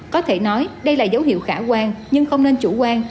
có thể nói đây là dấu hiệu khả quan nhưng không nên chủ quan